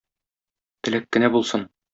Теләк кенә булсын.